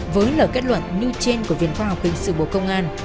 với lời kết luận nưu trên của viện khoa học kinh sự bộ công an